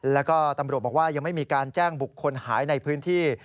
แล้วก็ตำรวจบอกว่ายังไม่มีการแจ้งบุคคลหายในพื้นที่